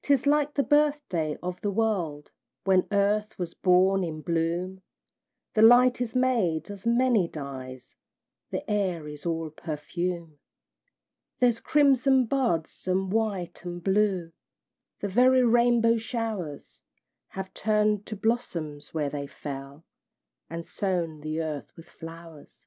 'Tis like the birthday of the world, When earth was born in bloom; The light is made of many dyes, The air is all perfume; There's crimson buds, and white and blue The very rainbow showers Have turn'd to blossoms where they fell, And sown the earth with flowers.